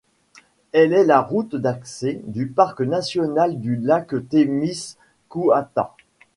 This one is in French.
Elle est la route d'accès du Parc national du Lac-Témiscouata.